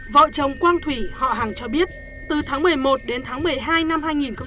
vợ chồng quang thủy họ hàng cho biết từ tháng một mươi một đến tháng một mươi hai năm hai nghìn hai mươi hai